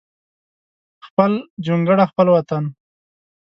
خپل جونګړه خپل وطن